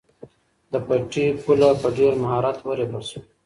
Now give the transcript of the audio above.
د پټي پوله په ډېر مهارت ورېبل شوه.